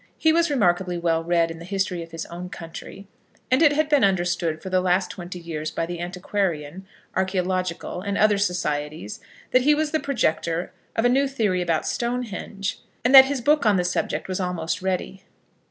He was remarkably well read in the history of his own country, and it had been understood for the last twenty years by the Antiquarian, Archæological, and other societies that he was the projector of a new theory about Stonehenge, and that his book on the subject was almost ready.